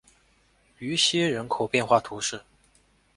于西人口变化图示